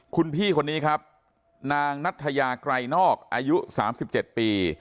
คุณพี่คนนี้ครับนางนัทยาไกรนอกอายุ๓๗ปี